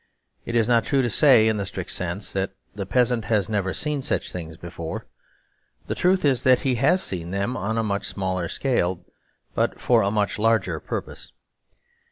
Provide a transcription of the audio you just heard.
It is not true to say in the strict sense that the peasant has never seen such things before. The truth is that he has seen them on a much smaller scale, but for a much larger purpose.